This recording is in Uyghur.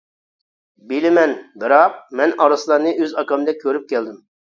بىلىمەن، بىراق، مەن ئارسلاننى ئۆز ئاكامدەك كۆرۈپ كەلدىم.